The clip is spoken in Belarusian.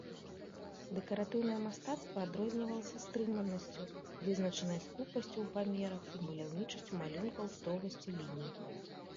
Дэкаратыўнае мастацтва адрознівалася стрыманасцю, вызначанай скупасцю ў памерах і маляўнічасцю малюнкаў, строгасцю ліній.